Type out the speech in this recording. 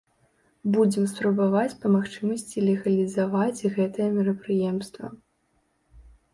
Будзем спрабаваць па магчымасці легалізаваць гэтае мерапрыемства.